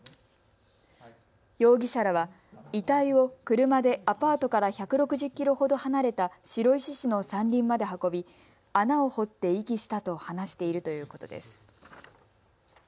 容疑者らは遺体を車でアパートから１６０キロほど離れた白石市の山林まで運び穴を掘って遺棄したと話しているということです。